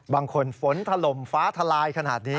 บางคนฝนทะลมฟ้าทะลายขนาดนี้